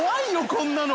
こんなの。